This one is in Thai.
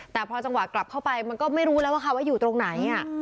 แต่พอจังหวะกลับเข้าไปมันก็ไม่รู้แล้วว่าค่ะว่าอยู่ตรงไหน